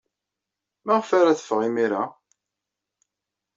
Maɣef ara teffeɣ imir-a?